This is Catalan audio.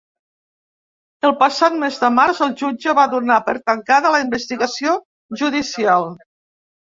El passat mes de març el jutge va donar per tancada la investigació judicial.